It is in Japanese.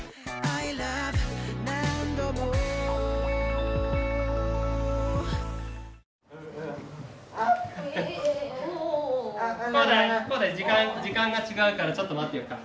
洸大時間が違うからちょっと待ってようか。